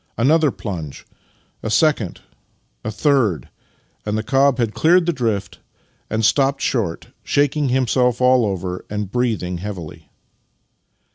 Another plunge — a second — a third — and the cob had cleared the drift and stopped short, shaking him self all over and breathing heavily.